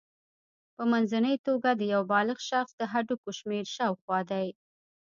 په منځنۍ توګه د یو بالغ شخص د هډوکو شمېر شاوخوا دی.